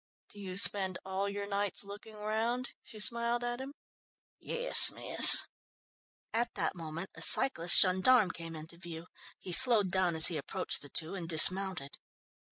"Do you spend all your nights looking round?" she smiled at him. "Yes, miss." At that moment a cyclist gendarme came into view. He slowed down as he approached the two and dismounted.